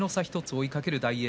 追いかける大栄